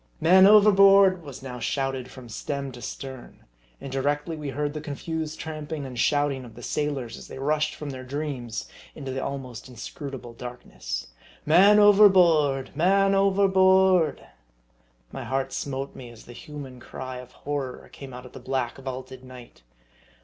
" Man overboard !" was now shouted from stem to stern. And directly we heard the confused tramping and shouting of the sailors, as they rushed from their dreams into the almost inscrutable darkness. "Man overboard! Man overboard!" My heart smote me as the human cry of horror came out of the black vaulted night.